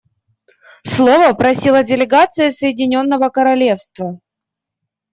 Слова просила делегация Соединенного Королевства.